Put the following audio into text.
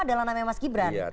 adalah namanya mas gibran